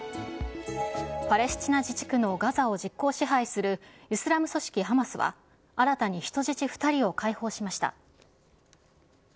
パレスチナ自治区のガザを実効支配するイスラム組織ハマスは、新たに人質２人を解放しました。